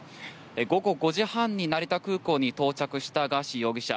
午後５時半に成田空港に到着したガーシー容疑者。